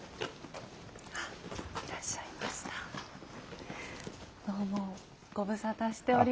あいらっしゃいました。